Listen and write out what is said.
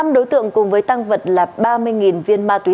năm đối tượng cùng với tăng vật là ba mươi viên ma túy